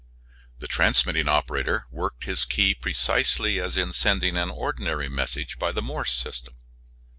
The transmitting operator worked his key precisely as in sending an ordinary message by the Morse system.